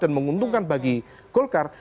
dan menguntungkan bagi golkar